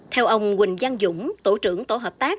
theo ông quỳnh giang dũng tổ trưởng tổ hợp tác